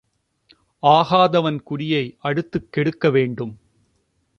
ஆகாதவன் குடியை அடுத்துக் கெடுக்க வேண்டும்.